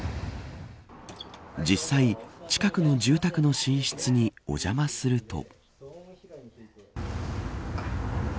実際、近くの住宅の寝室にお邪魔すると。